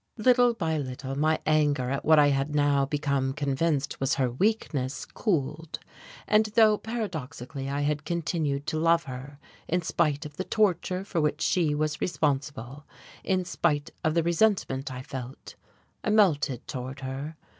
Little by little my anger at what I had now become convinced was her weakness cooled, and though paradoxically I had continued to love her in spite of the torture for which she was responsible, in spite of the resentment I felt, I melted toward her.